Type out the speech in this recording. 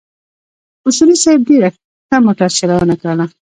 اصولي صیب ډېره ښه موټر چلونه کوله.